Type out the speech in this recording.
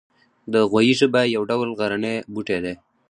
د غویي ژبه یو ډول غرنی بوټی دی